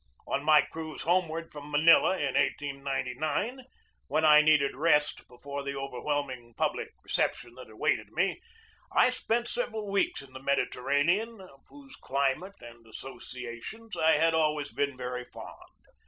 On my cruise homeward from Manila in 1899, when I needed rest before the overwhelming public reception that awaited me, I spent several weeks in the Mediterranean, of whose climate and associations I had always been very fond.